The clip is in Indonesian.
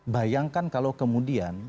bayangkan kalau kemudian